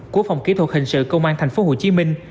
của phòng kỹ thuật hình sự công an tp hcm